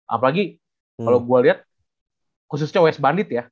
apalagi kalo gua liat khususnya west bandit ya